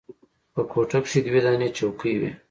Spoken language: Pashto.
په کوټه کښې دوې دانې چوکۍ وې.